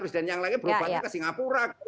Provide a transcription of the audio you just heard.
presiden yang lainnya berubahnya ke singapura